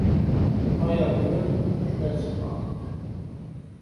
Мои аргументы подтверждаются фактами.